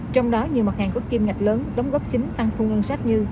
trong đó nhiều mặt hàng có kim ngạch lớn đóng góp chính tăng thu ngân sách như